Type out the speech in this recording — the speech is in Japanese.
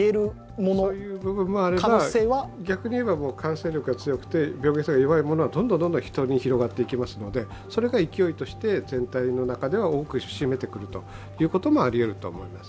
そういう部分もあるから、逆に言えば感染力が強くて病原性が弱いものはどんどん人に広まっていきますのでそれが勢いとして全体の中では多く占めてくることもありえると思います。